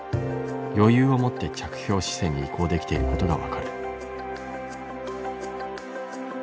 余裕を持って着氷姿勢に移行できていることが分かる。